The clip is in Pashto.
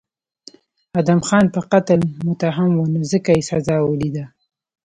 ادهم خان په قتل متهم و نو ځکه یې سزا ولیده.